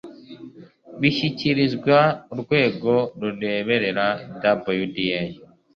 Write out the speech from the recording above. bishyikirizwa urwego rureberera wda